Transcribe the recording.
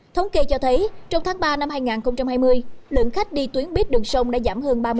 thống kê cho thấy trong tháng ba năm hai nghìn hai mươi lượng khách đi tuyến buýt đường sông đã giảm hơn ba mươi